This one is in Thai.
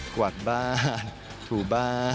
กวาดบ้านถูบ้าน